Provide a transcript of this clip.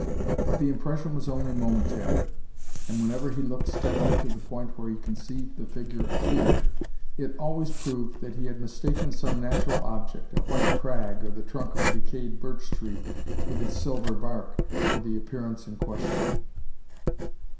But the impression was only momentary, and whenever he looked steadily to the point where he conceived the figure appeared, it always proved that he had mistaken some natural object, a white crag, or the trunk of a decayed birch tree with its silver bark, for the appearance in question.